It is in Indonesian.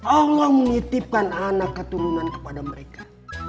allah menitipkan anak keturunan kepada mereka